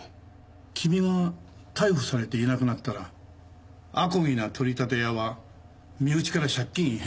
君が逮捕されていなくなったらあこぎな取り立て屋は身内から借金返済を迫るはずだ。